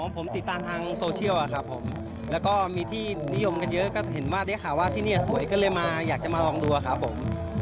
ผมติดตามทางโซเชียลครับผมแล้วก็มีที่นิยมกันเยอะก็เห็นว่าได้ข่าวว่าที่นี่สวยก็เลยมาอยากจะมาลองดูครับผม